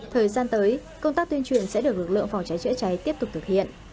thời gian tới công tác tuyên truyền sẽ được lực lượng phòng cháy chữa cháy tiếp tục thực hiện